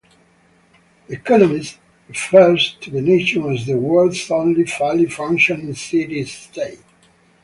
"The Economist" refers to the nation as the "world's only fully functioning city-state".